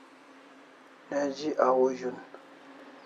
Neji au zun